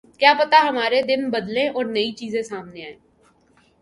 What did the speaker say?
کیا پتا ہمارے دن بدلیں اور نئی چیزیں سامنے آئیں۔